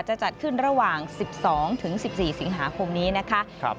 จะจัดขึ้นระหว่าง๑๒๑๔สิงหาคมนี้นะคะ